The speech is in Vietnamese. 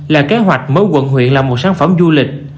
là kế hoạch mới quận huyện làm một sản phẩm du lịch